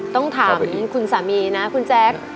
ต้องถามคุณสามีนะคุณแจ๊ค